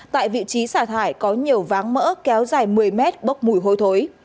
tại vị trí xả thải có nhiều váng mỡ kéo dài một mươi mét bốc mùi hôi thối